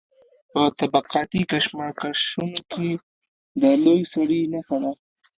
په طبقاتي کشمکشونو کې د لوی سړي نښه ده.